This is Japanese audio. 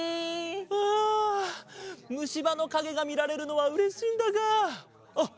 あむしばのかげがみられるのはうれしいんだがあっ！